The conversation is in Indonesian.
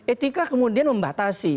etika kemudian membatasi